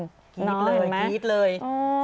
น้อยเห็นไหมนะคิดเลยคิดเลย